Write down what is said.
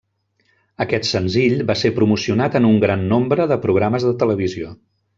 Aquest senzill va ser promocionat en un gran nombre de programes de televisió.